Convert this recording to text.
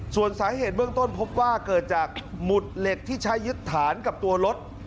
ส่วนสาเหตุเบื้องต้นพบว่าเกิดจากหมุดเหล็กที่ใช้ยึดฐานกับตัวรถ